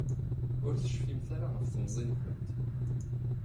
Ur tecfimt ara ɣef temẓi-nkent.